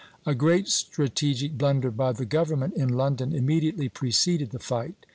A great strategic blunder by the government in London immediately preceded the fight.